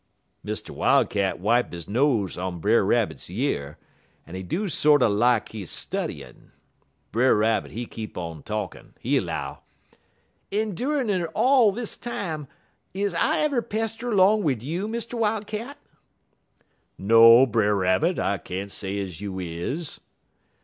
"Mr. Wildcat wipe he nose on Brer Rabbit year, en he do sorter lak he studyin'. Brer Rabbit he keep on talkin'. He 'low: "'Endurin' er all dis time, is I ever pester 'long wid you, Mr. Wildcat?' "'No, Brer Rabbit, I can't say ez you is.'